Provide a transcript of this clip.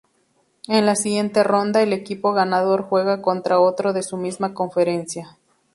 En la siguiente ronda, el equipo ganador juega contra otro de su misma conferencia.